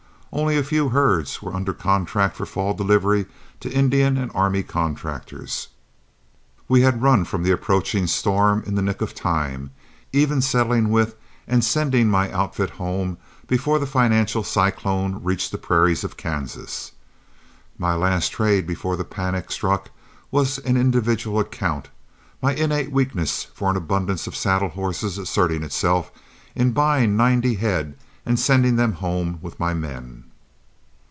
Only a few herds were under contract for fall delivery to Indian and army contractors. We had run from the approaching storm in the nick of time, even settling with and sending my outfit home before the financial cyclone reached the prairies of Kansas. My last trade before the panic struck was an individual account, my innate weakness for an abundance of saddle horses asserting itself in buying ninety head and sending them home with my men.